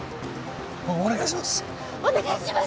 お願いします